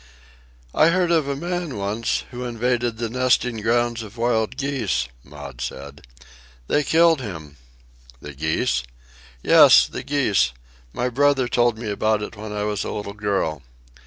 "I heard of a man, once, who invaded the nesting grounds of wild geese," Maud said. "They killed him." "The geese?" "Yes, the geese. My brother told me about it when I was a little girl."